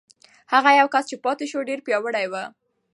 هغه یو کس چې پاتې شو، ډېر پیاوړی و.